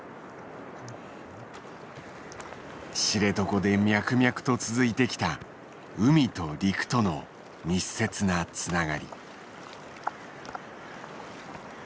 知床で脈々と続いてきた海と陸との密接なつながり。